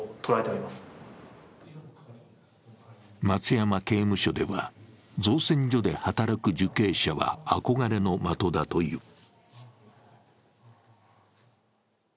松山刑務所では、造船所で働く受刑者は憧れの的だという。